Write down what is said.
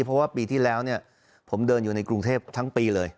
เพราะว่าปีที่แล้วผมเดินอยู่ในกรุงเทพทั้งปีเลย